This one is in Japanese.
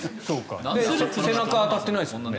背中当たってないですもんね。